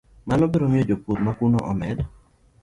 Mano biro miyo jopur ma kuno omed